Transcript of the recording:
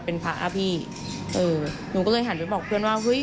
เป็นพระอ่ะพี่เออหนูก็เลยหันไปบอกเพื่อนว่าเฮ้ย